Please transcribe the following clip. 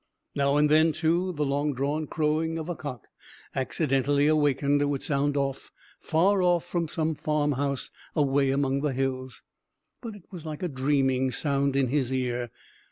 Now and then, too, the long drawn crowing of a cock, accidentally awakened, would sound far, far off, from some farmhouse away among the hills but it was like a dreaming sound in his ear.